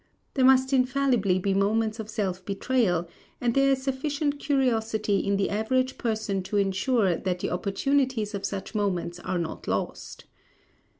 There must infallibly be moments of self betrayal; and there is sufficient curiosity in the average person to insure that the opportunities of such moments are not lost.